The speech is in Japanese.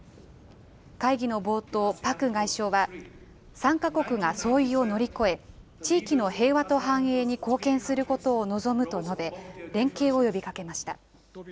会議の冒頭、パク外相は、３か国が相違を乗り越え、地域の平和と繁栄に貢献することを望むと述べ、連携を呼びかけました。